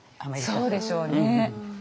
そうでしょうね。